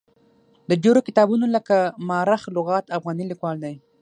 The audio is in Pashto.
د ډېرو کتابونو لکه ما رخ لغات افغاني لیکوال دی.